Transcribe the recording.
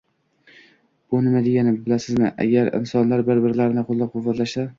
Bu nima degani, bilasizmi? Agar insonlar bir-birlarini qo‘llab-quvvatlashsa